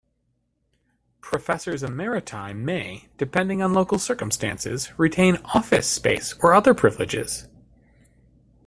Professors emeriti may, depending on local circumstances, retain office space or other privileges.